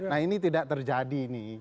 nah ini tidak terjadi nih